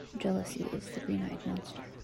Jealousy is the green-eyed monster